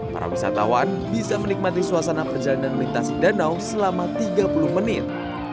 para wisatawan bisa menikmati suasana perjalanan melintasi danau selama tiga puluh menit